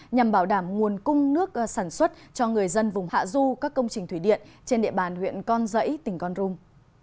nhằm bảo đảm nguồn cung nước sản xuất cho người dân vùng hạ du các công trình thủy điện trên địa bàn huyện con rẫy tỉnh con rung